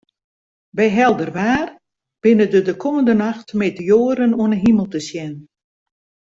By helder waar binne der de kommende nacht meteoaren oan 'e himel te sjen.